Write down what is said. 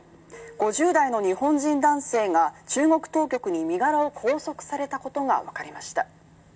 ５０代の日本人男性が中国当局に身柄を拘束されたことが分かりました。